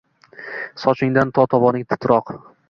Sochingdan to tovoning titroq